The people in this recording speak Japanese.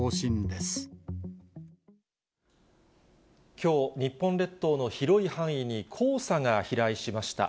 きょう、日本列島の広い範囲に黄砂が飛来しました。